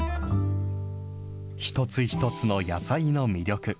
一つ一つの野菜の魅力。